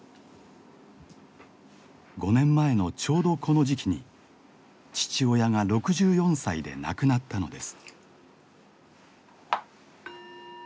５年前のちょうどこの時期に父親が６４歳で亡くなったのです。